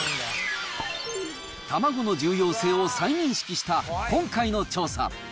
卵の重要性を再認識した今回の調査。